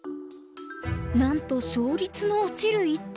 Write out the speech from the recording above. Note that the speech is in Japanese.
なんと勝率の落ちる一手。